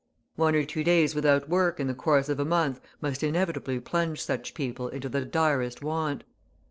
One or two days without work in the course of a month must inevitably plunge such people into the direst want.